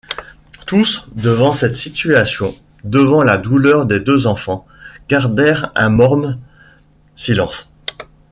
Tous, devant cette situation, devant la douleur des deux enfants, gardèrent un morne silence.